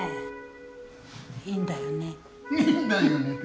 いいんだよねって。